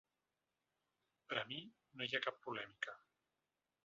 Per a mi no hi ha cap polèmica.